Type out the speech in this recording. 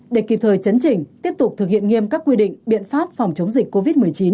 để kịp thời chấn chỉnh tiếp tục thực hiện nghiêm các quy định biện pháp phòng chống dịch covid một mươi chín